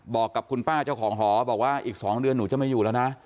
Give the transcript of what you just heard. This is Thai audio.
บอกกับคุณป้าเจ้าของหอบอกว่าอีก๒เดือนหนูจะไม่อยู่แล้วนะ